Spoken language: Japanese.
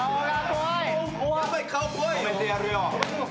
止めてやるよ。